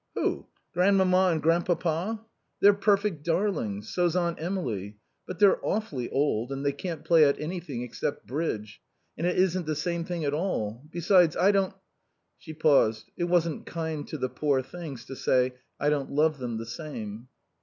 "Who, Grandmamma and Grandpapa? They're perfect darlings. So's Aunt Emily. But they're awfully old and they can't play at anything, except bridge. And it isn't the same thing at all. Besides, I don't " She paused. It wasn't kind to the poor things to say "I don't love them the same."